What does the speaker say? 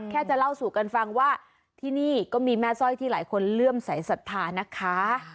แค่จะเล่าสู่กันฟังว่าที่นี่ก็มีแม่สร้อยที่หลายคนเลื่อมสายศรัทธานะคะ